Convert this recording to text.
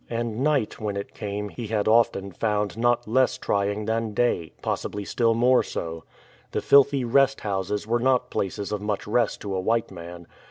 And night when it came he had often found not less trying than day, possibly still more so. The filthy rest houses were not places of much rest to a white man.